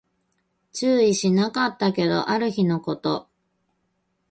注意しなかったけど、ある日のこと